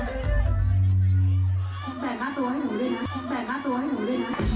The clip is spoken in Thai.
เราอยู่ตาเบอร์